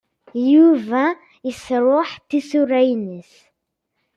Yuba yesṛuḥ tisura-nnes.